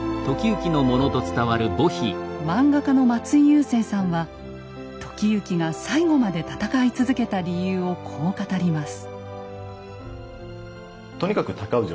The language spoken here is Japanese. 漫画家の松井優征さんは時行が最後まで戦い続けた理由をこう語ります。